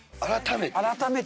改めて。